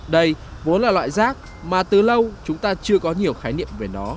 đây vốn là loại rác mà từ lâu chúng ta chưa có nhiều khái niệm